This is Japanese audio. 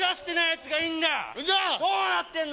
どうなってんだ？